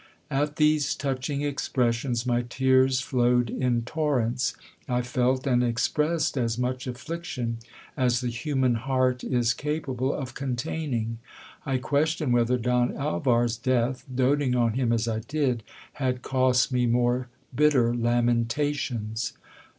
At these touching expressions, my tears flowed in torrents. I felt and expressed as much affliction as the human heart is capable of con taining. I question whether Don Alvar's death, doting on him as I did, had cost me more bitter lamentations.